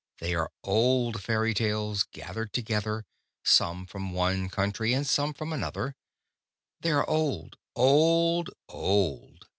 They are old fairy tales gathered together, some from one country, and some from another. They are old, old, old.